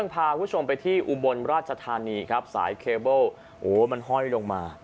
พาคุณผู้ชมไปที่อุบลราชธานีครับสายเคเบิลโอ้มันห้อยลงมา